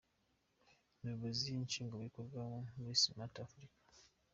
Umuyobozi nshingwabikorwa wa Smart Africa, Dr.